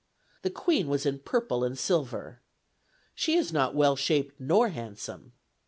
The Queen was in purple and silver. She is not well shaped nor handsome.